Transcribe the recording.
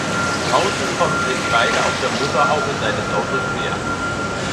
Draußen kommen sich beide auf der Motorhaube seines Autos näher.